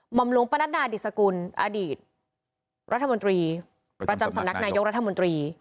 อมหลวงปนัดดาดิสกุลอดีตรัฐมนตรีประจำสำนักนายกรัฐมนตรี